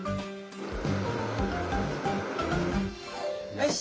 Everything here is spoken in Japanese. よし！